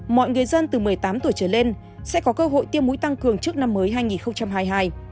mọi người dân từ một mươi tám tuổi trở lên sẽ có cơ hội tiêm mũi tăng cường trước năm mới hai nghìn hai mươi hai